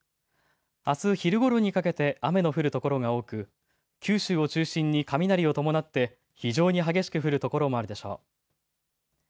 あす昼ごろにかけて雨の降る所が多く九州を中心に雷を伴って非常に激しく降る所もあるでしょう。